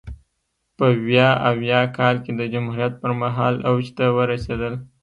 په ویا اویا کال کې د جمهوریت پرمهال اوج ته ورسېدل.